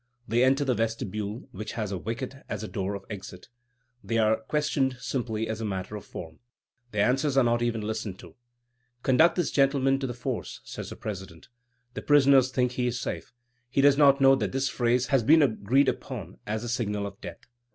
They enter the vestibule, which has a wicket as a door of exit. They are questioned simply as a matter of form. Their answers are not even listened to. "Conduct this gentleman to the Force!" says the president. The prisoner thinks he is safe; he does not know that this phrase has been agreed upon as the signal of death.